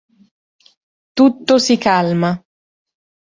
Tutto si calma.